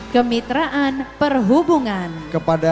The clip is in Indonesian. yang terlalu berkelanjutan